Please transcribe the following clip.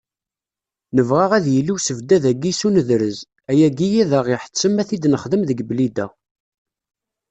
Nebɣa ad yili usebddad-agi s unedrez, ayagi ad aɣ-iḥettem ad t-id-nexdem deg Blida.